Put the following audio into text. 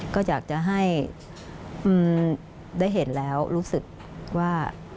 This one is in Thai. ก็อยากจะให้ได้เห็นแล้วรู้สึกว่า